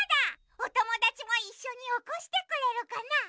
おともだちもいっしょにおこしてくれるかな？